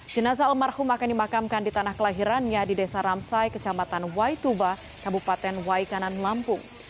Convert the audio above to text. jenazah almarhum akan dimakamkan di tanah kelahirannya di desa ramsai kecamatan wai tuba kabupaten wai kanan lampung